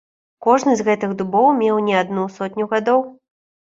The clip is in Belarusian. Кожны з гэтых дубоў меў не адну сотню гадоў.